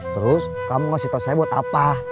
terus kamu ngasih tau saya buat apa